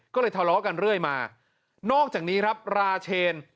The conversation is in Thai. ก็เลยทะเลาะกันเรื่อยมานอกจากนี้ครับราเชน